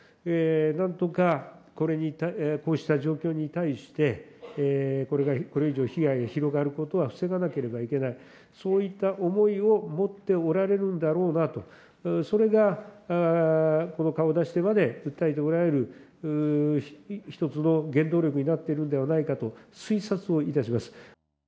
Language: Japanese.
なんとかこうした状況に対して、これ以上被害が広がることは防がなければいけない、そういった思いを持っておられるんだろうなと、それがこの顔を出してまで訴えておられる一つの原動力になっているんではないかと推察をいたします。